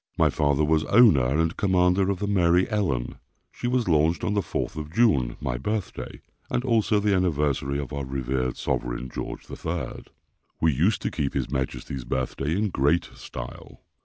My father was owner and commander of the Mary Ellen. She was launched on the 4th of June, my birthday, and also the anniversary of our revered sovereign, George III. We used to keep his majesty's birthday in great style.